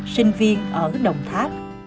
sinh viên ở đồng tháp